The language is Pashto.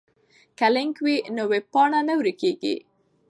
که لینک وي نو ویبپاڼه نه ورکیږي.